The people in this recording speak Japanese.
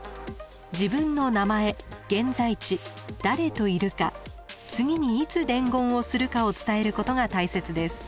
自分の名前現在地誰といるか次にいつ伝言をするかを伝えることが大切です。